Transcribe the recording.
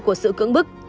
của sự cưỡng bức